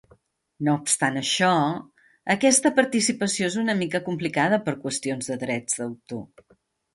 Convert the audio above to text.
No obstant això, aquesta participació és una mica complicada per qüestions de drets d'autor.